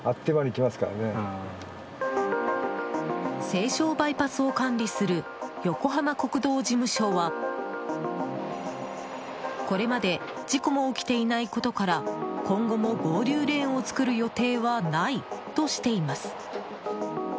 西湘バイパスを管理する横浜国道事務所はこれまで事故も起きていないことから今後も合流レーンを作る予定はないとしています。